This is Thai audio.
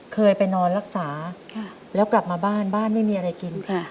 เคยไปนอนรักษาแล้วกลับมาบ้านบ้านไม่มีอะไรกินค่ะค่ะค่ะค่ะ